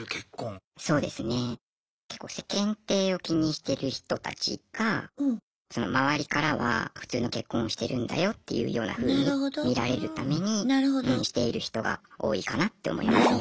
結構世間体を気にしてる人たちが周りからは普通の結婚をしてるんだよっていうようなふうに見られるためにしている人が多いかなって思いますね。